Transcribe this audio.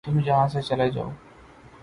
تم یہاں سے چلے جاؤ